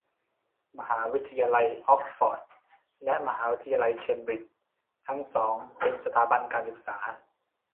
มหาวิทยาลัยอ๊อกซ์ฟอร์ด และ มหาวิทยาลัยแคมบริดจ์ ทั้งสองเป็นสถาบันการศึกษา